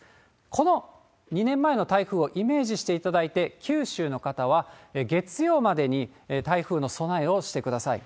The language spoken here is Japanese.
この２年前の台風をイメージしていただいて、九州の方は、月曜までに台風の備えをしてください。